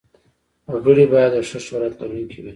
غړي باید د ښه شهرت لرونکي وي.